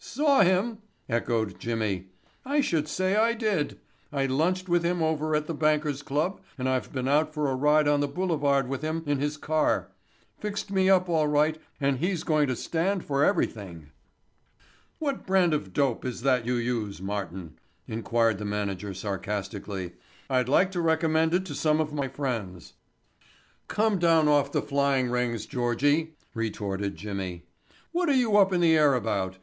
"Saw him?" echoed Jimmy. "I should say I did. I lunched with him over at the Bankers' Club and I've been out for a ride on the boulevard with him in his car. Fixed me up all right and he's going to stand for everything." "What brand of dope is that you use, Martin?" inquired the manager sarcastically. "I'd like to recommend it to some of my friends." "Come down off the flying rings, Georgie," retorted Jimmy. "What are you up in the air about?